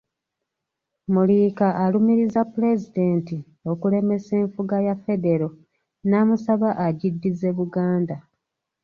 Muliika alumiriza Pulezidenti okulemesa enfuga ya Federo namusaba agiddize Buganda.